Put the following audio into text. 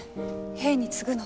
「兵に告ぐ」の。